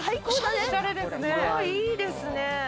いいですね。